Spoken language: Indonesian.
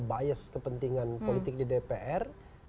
bias kepentingan politik di dpr